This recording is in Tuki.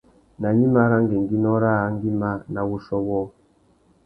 Nà gnima râ ngüéngüinô râā nguimá na wuchiô wôō ?